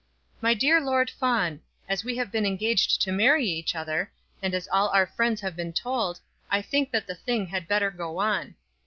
"My dear Lord Fawn. As we have been engaged to marry each other, and as all our friends have been told, I think that the thing had better go on."